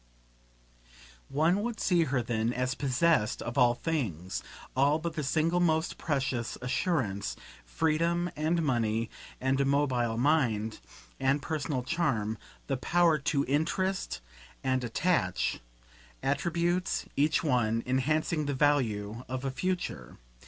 One would see her then as possessed of all things, all but the single most precious assurance; freedom and money and a mobile mind and personal charm, the power to interest and attach; attributes, each one, enhancing the value of a future.